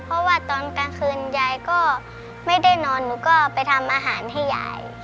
เพราะว่าตอนกลางคืนยายก็ไม่ได้นอนหนูก็ไปทำอาหารให้ยาย